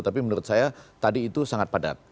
tapi menurut saya tadi itu sangat padat